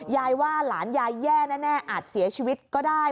ยายว่าหลานยายแย่แน่อาจเสียชีวิตก็ได้